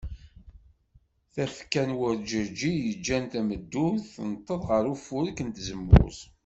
Tafekka n werǧeǧǧi yeǧǧan tameddurt tenteḍ ɣer ufurek n tzemmurt.